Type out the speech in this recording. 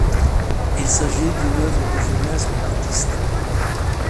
Il s'agit d'une œuvre de jeunesse de l'artiste.